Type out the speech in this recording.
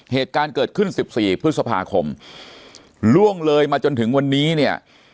เหตุการณ์เกิดขึ้นสิบสี่พฤษภาคมล่วงเลยมาจนถึงวันนี้เนี่ย